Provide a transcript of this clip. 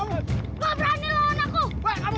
nggak berani lawan aku